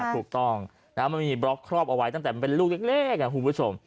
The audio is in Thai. ถูกต้องมันมีบล็อกครอบเอาไว้ตั้งแต่มันเป็นลูกเล็กคุณผู้ชม